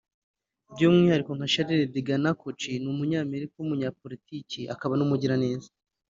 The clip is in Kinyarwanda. by’umwihariko nka Charles de Ganahl Koch ni umunyamerika w’umunyapolitiki akaba n’umugiraneza